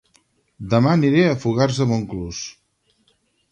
Dema aniré a Fogars de Montclús